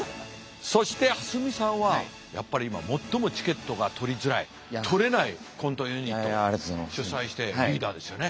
そして蓮見さんはやっぱり今最もチケットが取りづらい取れないコントユニットを主宰してリーダーですよね。